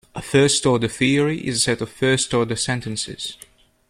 A first-order theory is a set of first-order sentences.